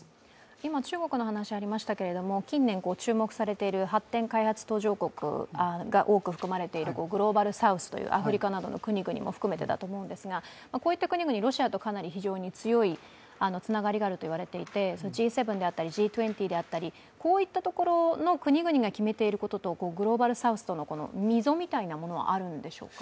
今、中国の話がありましたけれども近年注目されている発展開発途上国が多く含まれているグローバルサウスというアフリカの国々も含めてだと思うんですがこういった国々、ロシアとかなり強いつながりがあると言われていてＧ７であったりＧ２０であったり、こういった国々とのグローバルサウスとの溝みたいなものはあるんでしょうか。